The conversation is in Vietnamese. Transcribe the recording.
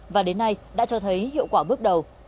và đến nay đã cho thấy hiệu quả bước đầu